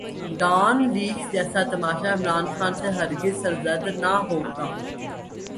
Dawn leaks جیسا تماشا عمران خان سے ہر گز سرزد نہ ہوگا۔